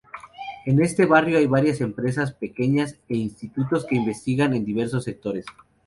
En este barrio hay varias empresas pequeñas e institutos que investigan en diversos sectores.